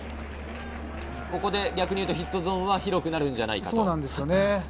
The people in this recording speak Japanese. ここで逆にいうとヒットゾーンは広くなるんじゃないかと。